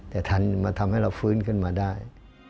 แต่ทันมาทำให้เราฟื้นขึ้นมาได้